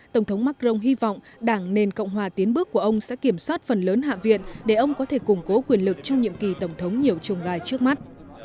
tổng thống macron hy vọng đảng nền cộng hòa tiến bước của ông sẽ kiểm soát phần lớn hạ viện để ông có thể củng cố quyền lực trong nhiệm kỳ tổng thống nhiều trông gai trước mắt